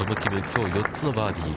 きょう、４つのバーディー。